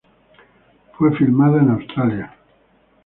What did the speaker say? Fue filmada en Australia.